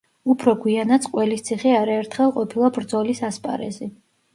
უფრო გვიანაც ყველისციხე არაერთხელ ყოფილა ბრძოლის ასპარეზი.